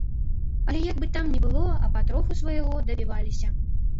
Але як бы там ні было, а патроху свайго дабіваліся.